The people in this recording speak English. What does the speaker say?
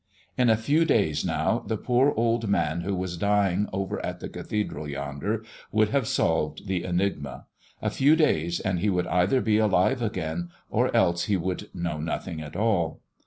In a few days now the poor old man who was dying over at the cathedral yonder would have solved the enigma a few days and he would either be alive again or else he would know nothing at all.